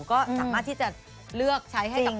เราก็สามารถที่จะเลือกใช้ให้